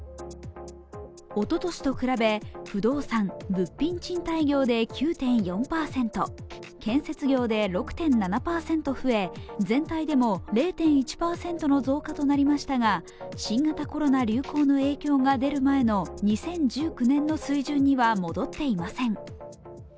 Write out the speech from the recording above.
おととしと比べ不動産・物品賃貸業で９．４％、建設業で６．７％増え全体でも０．１％の増加となりましたが、新型コロナ流行の影響が出る前の２０１９年の水準には戻っていません。